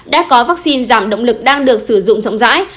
đã có vaccine giảm động lực đang được sử dụng rộng rãi